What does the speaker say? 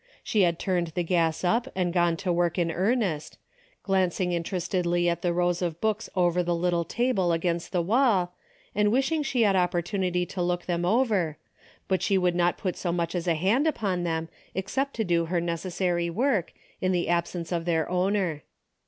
She had turned the gas up and gone to work in earnest, glancing interestedly at the rows of books over the little table against the wall, and wishing she had opportunity to look them over, but she would not put so much as a hand upon them except to do her necessary work, in the absence of their owner.